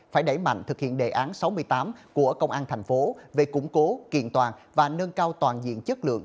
phải đẩy mạnh thực hiện đề án sáu mươi tám của công an thành phố về củng cố kiện toàn và nâng cao toàn diện chất lượng